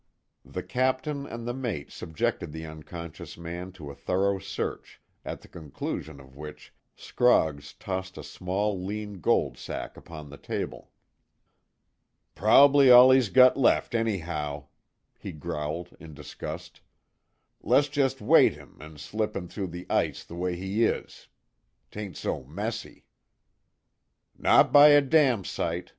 The Captain and the mate subjected the unconscious man to a thorough search, at the conclusion of which Scroggs tossed a small lean gold sack upon the table. "Prob'ly all he's got left, anyhow," he growled in disgust. "Le's jest weight him an' slip him through the ice the way he is. 'Tain't so messy." "Not by a damn sight!"